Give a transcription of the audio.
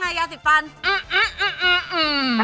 อะไรเนี่ยโอ๊มอะไร